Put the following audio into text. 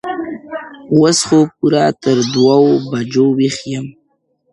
اوس خو پوره تر دوو بـجــو ويــښ يـــم ـ